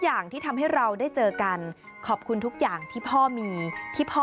อย่างที่ทำให้เราได้เจอกันขอบคุณทุกอย่างที่พ่อมีที่พ่อ